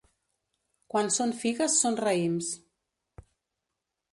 Quan són figues són raïms.